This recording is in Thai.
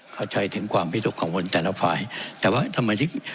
เข้าใจถึงความผิดทุกข์ของวนแต่ละฝ่ายแต่ว่าท่านประธานทิศ